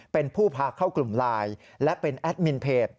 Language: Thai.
เป็นผู้พาเข้ากลุ่มไลน์และเป็นแอดมินเพจ